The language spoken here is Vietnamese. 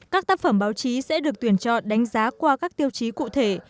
các tác phẩm báo chí sẽ được tuyển chọn đánh giá qua các tiêu chí cụ thể